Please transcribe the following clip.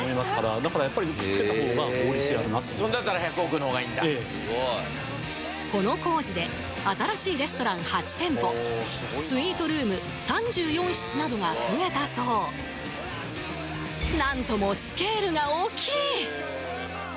だからやっぱりくっつけた方がそれだったら１００億の方がいいんだこの工事で新しいレストラン８店舗スイートルーム３４室などが増えたそうなんともスケールが大きい！